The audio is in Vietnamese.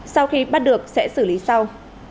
sau khi bắt được sẽ xử lý sau